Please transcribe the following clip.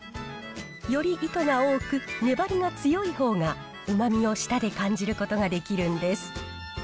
より糸が多く、粘りが強いほうがうまみを舌で感じることができるんです。